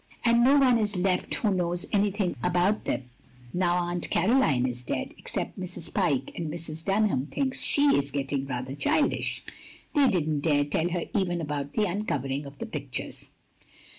And no one is left who knows anything about them now Atint Caroline is dead, except Mrs. Pyke, and Mrs. Dunham thinks she is getting rather childish. They did n't dare tell her even about the uncovering of the pictures."